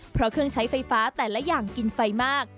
เพราะเครื่องใช้ไฟฟ้าแต่ละอย่างกินไฟมาก